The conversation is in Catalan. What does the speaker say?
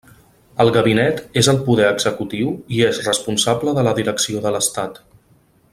El gabinet és el poder executiu i és responsable de la direcció de l'estat.